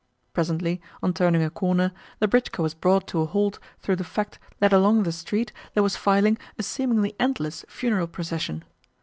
Presently, on turning a corner, the britchka was brought to a halt through the fact that along the street there was filing a seemingly endless funeral procession.